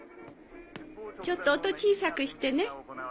ちょっと音小さくしてね。